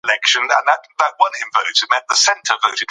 پاڼې تر اوسه خپل اسناد نه دي ورکړي.